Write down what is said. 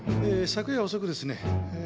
昨夜遅くですねえ